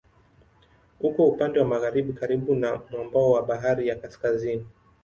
Uko upande wa magharibi karibu na mwambao wa Bahari ya Kaskazini.